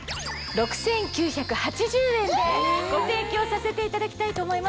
でご提供させていただきたいと思います。